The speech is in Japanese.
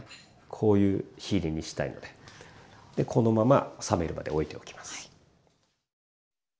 こういう火入れにしたいのでこのまま冷めるまでおいておきます。